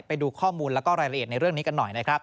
ไปดูข้อมูลแล้วก็รายละเอียดในเรื่องนี้กันหน่อยนะครับ